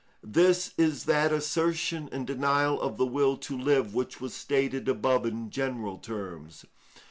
This is that assertion and denial of the will to live which was stated above in general terms.